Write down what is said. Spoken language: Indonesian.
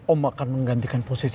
om akan menggantikan posisi